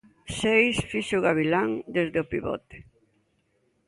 Seis fixo Gavilán desde o pivote.